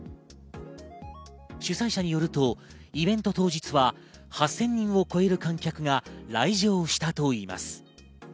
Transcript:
主催者によると、イベント当日は８０００人を超える観客が来場したといいます。